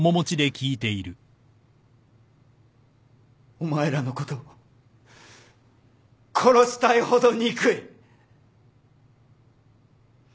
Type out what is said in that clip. お前らのこと殺したいほど憎い。